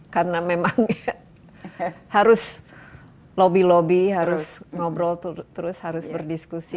karena memang harus lobby lobby harus ngobrol terus harus berdiskusi